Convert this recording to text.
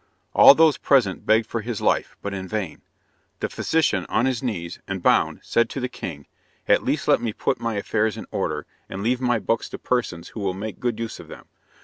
All those present begged for his life, but in vain. The physician on his knees, and bound, said to the king: "At least let me put my affairs in order, and leave my books to persons who will make good use of them.